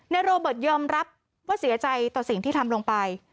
โรเบิร์ตยอมรับว่าเสียใจต่อสิ่งที่ทำลงไป